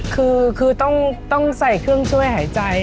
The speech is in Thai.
คือต้องใส่เครื่องช่วยหายใจ